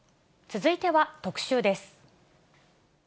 続いては特集です。